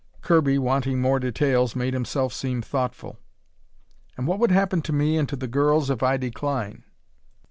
Kirby, wanting more details, made himself seem thoughtful. "And what will happen to me, and to the girls, if I decline?"